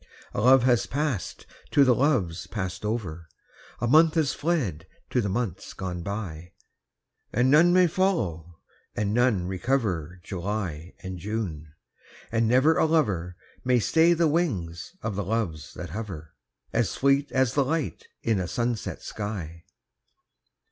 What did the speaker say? A love has passed to the loves passed over, A month has fled to the months gone by; And none may follow, and none recover July and June, and never a lover May stay the wings of the Loves that hover, As fleet as the light in a sunset sky.